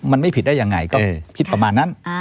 มันไม่ผิดได้ยังไงก็คิดประมาณนั้น